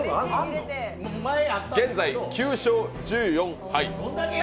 現在、９勝１４敗。